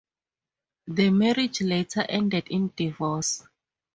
The marriage later ended in divorce.